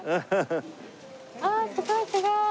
ああすごいすごい。